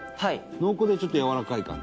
濃厚でちょっとやわらかい感じ？